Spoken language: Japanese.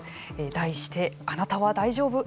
題して、あなたは大丈夫？